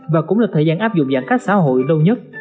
và cũng là thời gian áp dụng giãn cách xã hội lâu nhất